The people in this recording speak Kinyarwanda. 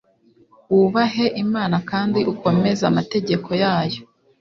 wubahe imana kandi ukomeze amategeko yayo